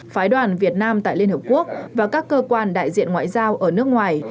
phái đoàn việt nam tại liên hợp quốc và các cơ quan đại diện ngoại giao ở nước ngoài